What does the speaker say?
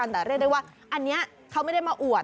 แต่เรียกได้ว่าอันนี้เขาไม่ได้มาอวด